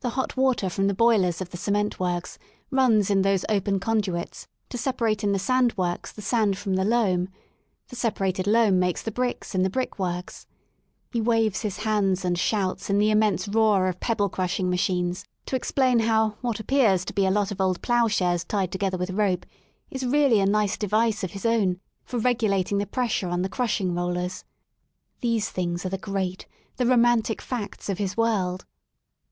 The hot water from the boilers of the cement works runs in those open conduits to separate in the sand works the sand from the loam; the sepa rated loam makes the bricks in the brick works* He waves his hands and shouts in the immense roar of pebble crushing machines to explain how what appears to be a lot of old ploughshares tied together with rope is really a nice device of his own for regulating the pressure on the crushing rollers. These things are the great, the romantic facts of his world.